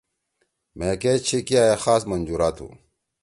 مھے کیش چھی کیا اے خاص منجُورا تُھو۔